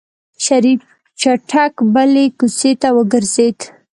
شريف چټک بلې کوڅې ته وګرځېد.